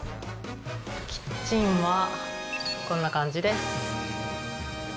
キッチンは、こんな感じです。